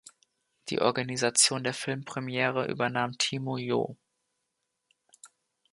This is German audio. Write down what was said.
Die Organisation der Filmpremiere übernahm Timo Joh.